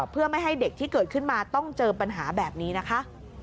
เพื่อไม่ให้เด็กที่เกิดขึ้นมาต้องเจอปัญหาแบบนี้นะคะ